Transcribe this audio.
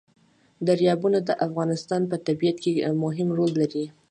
دریابونه د افغانستان په طبیعت کې مهم رول لري.